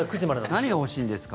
何が欲しいんですか